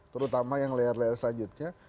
terutama yang layar layar selanjutnya